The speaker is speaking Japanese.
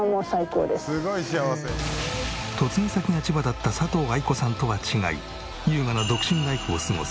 嫁ぎ先が千葉だった佐藤藍子さんとは違い優雅な独身ライフを過ごす